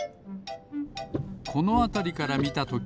このあたりからみたとき